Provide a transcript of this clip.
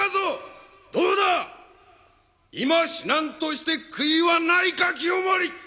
・どうだ今死なんとして悔いはないか清盛！